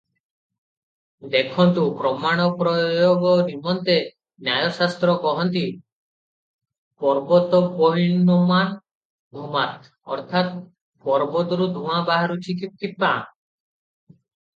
ଦେଖନ୍ତୁ ପ୍ରମାଣ ପ୍ରୟୋଗ ନିମନ୍ତେ ନ୍ୟାୟଶାସ୍ତ୍ର କହନ୍ତି, "ପର୍ବତୋବହ୍ନିମାନ୍ ଧୂମାତ୍" ଅର୍ଥାତ୍ ପର୍ବତରୁ ଧୂଆଁ ବାହାରୁଛି କିପାଁ?